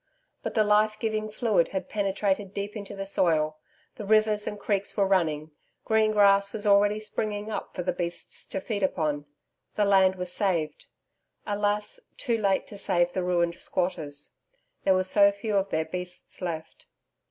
But the life giving fluid had penetrated deep into the soil; the rivers and creeks were running; green grass was already springing up for the beasts to feed upon. The land was saved. Alas too late to save the ruined squatters. There were so few of their beasts left.